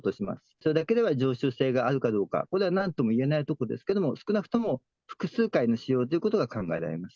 それだけでは常習性があるかどうか、これはなんとも言えないところですけど、少なくとも複数回の使用ということが考えられます。